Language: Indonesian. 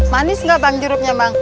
manis nggak bang jeruknya bang